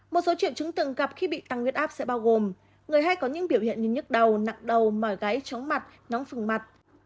một số triệu chứng tượng gặp khi bị tăng nguyết áp sẽ bao gồm người hay có những biểu hiện như nhức đầu nặng đầu mỏi gáy trống mặt nóng phừng mặt